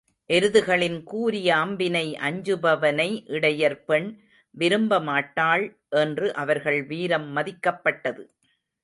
எருதுகளின் கூரிய அம்பினை அஞ்சுபவனை இடையர் பெண் விரும்பமாட்டாள் என்று அவர்கள் வீரம் மதிக்கப்பட்டது.